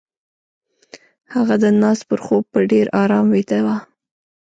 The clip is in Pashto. هغه د ناز پر خوب په ډېر آرام ويده وه.